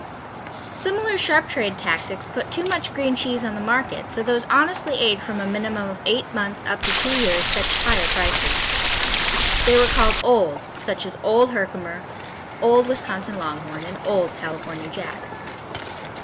Similar sharp trade tactics put too much green cheese on the market, so those honestly aged from a minimum of eight months up to two years fetched higher prices. They were called "old," such as Old Herkimer, Old Wisconsin Longhorn, and Old California Jack.